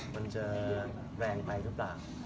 มันจะแรงไปหรือเปล่า